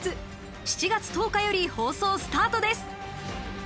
７月１０日より放送スタートです。